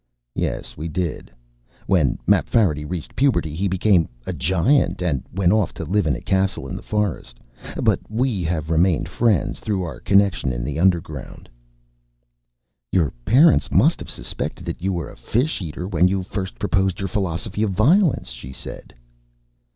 "Yes, we did. When Mapfarity reached puberty he became a Giant and went off to live in a castle in the forest. But we have remained friends through our connection in the underground." "Your parents must have suspected that you were a fish eater when you first proposed your Philosophy of Violence?" she said.